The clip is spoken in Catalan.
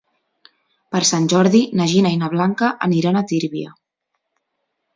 Per Sant Jordi na Gina i na Blanca aniran a Tírvia.